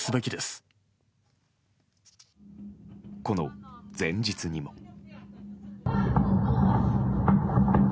この前日にも。